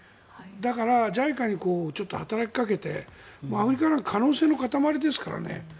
だからＪＩＣＡに働きかけてアフリカなんかは可能性の塊ですからね。